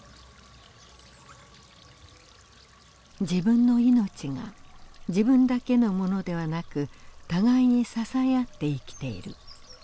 自分のいのちが自分だけのものではなく互いに支え合って生きている。